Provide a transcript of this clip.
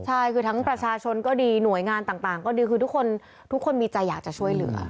ใช่คือทั้งประชาชนก็ดีหน่วยงานต่างก็ดีคือทุกคนทุกคนมีใจอยากจะช่วยเหลือ